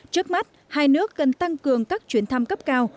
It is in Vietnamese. trước mắt hai nước cần tăng cường các chuyến thăm cấp cao